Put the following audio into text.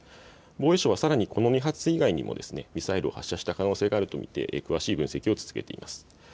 防衛省はさらにこの２発以外にもミサイルを発射した可能性があると見て詳しい分析を続けています。